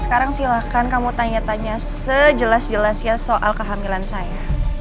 sekarang silahkan kamu tanya tanya sejelas jelasnya soal kehamilan saya